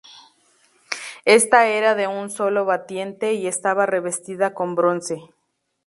Esta era de un solo batiente y estaba revestida con bronce.